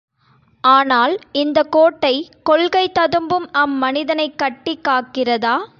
ஆனால், இந்தக் கோட்டை, கொள்கை ததும்பும் அம்மனிதனைக் கட்டிக் காக்கிறதா?